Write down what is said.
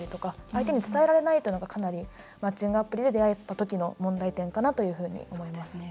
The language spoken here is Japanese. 相手に伝えられないというのがかなりマッチングアプリで出会った時の問題点かなというふうに思いますね。